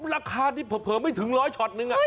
ราคาที่เผลอไม่ถึงร้อยช็อตนึง